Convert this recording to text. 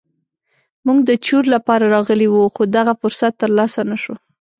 موږ د چور لپاره راغلي وو خو دغه فرصت تر لاسه نه شو.